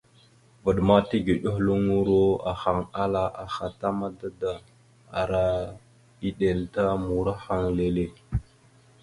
Vvaɗ ma tigəɗeluŋoro ahaŋ ala aha ta mada da ara eɗel ta murahaŋ leele.